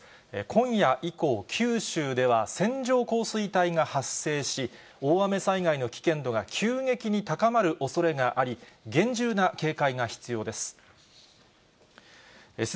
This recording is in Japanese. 今夜以降、九州では線状降水帯が発生し、大雨災害の危険度が急激に高まるおそれがあり、厳重な警戒が必要です。